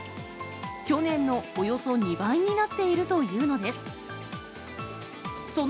去年のおよそ２倍になっているというのです。